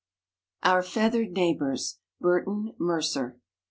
_ OUR FEATHERED NEIGHBORS. BERTON MERCER.